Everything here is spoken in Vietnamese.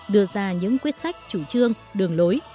đưa ra những quyết sách chủ trương đường lối